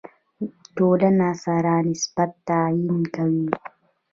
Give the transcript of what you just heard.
ټولنې سره نسبت تعیین کوي.